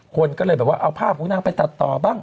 คนก็เลยแบบว่าเอาภาพของนางไปตัดต่อบ้าง